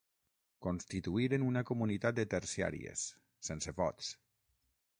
Constituïren una comunitat de terciàries, sense vots.